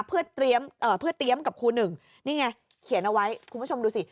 เพื่อเตรียมเพื่อเตรียมกับครูหนึ่งนี่ไงเขียนเอาไว้คุณผู้ชมดูสิ